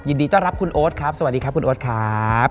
ยินดีต้อนรับคุณโอ๊ตครับสวัสดีครับคุณโอ๊ตครับ